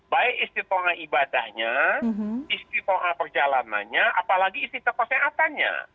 baik istiqtoa ibadahnya istiqtoa perjalanannya apalagi istiqtoa kesehatannya